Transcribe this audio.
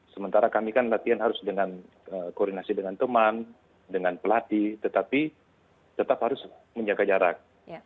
sementara kami kan latihan harus dengan koordinasi dengan teman dengan pelatih tetapi tetap harus menjaga jarak